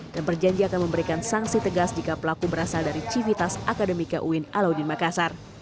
dan berjanji akan memberikan sanksi tegas jika pelaku berasal dari civitas akademika uin alauddin makassar